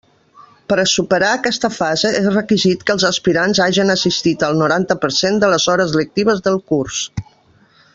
Per a superar aquesta fase és requisit que els aspirants hagen assistit al noranta per cent de les hores lectives del curs.